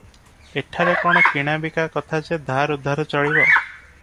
ଏଠାରେ କଣ କିଣା ବିକା କଥା ଯେ ଧାର ଉଧାର ଚଳିବ?